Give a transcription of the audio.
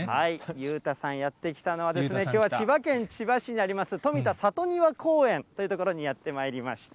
裕太さんやって来たのは、きょうは千葉県千葉市にあります、富田さとにわ耕園という所にやってまいりました。